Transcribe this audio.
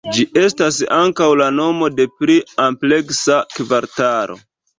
Ĝi estas ankaŭ la nomo de pli ampleksa kvartalo.